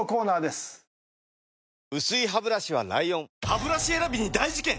薄いハブラシは ＬＩＯＮハブラシ選びに大事件！